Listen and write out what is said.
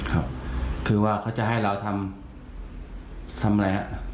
ครับคือว่าเขาจะให้เราทำทำอะไรฮะ